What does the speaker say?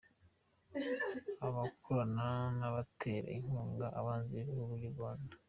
Abakorana n’abatera inkunga abanzi b’Igihugu cy’u Rwanda.